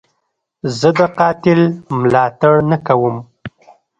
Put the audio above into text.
زه د قاتل ملاتړ نه کوم.